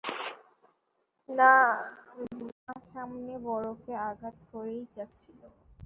মা সমানে বরফে আঘাত করেই যাচ্ছিল।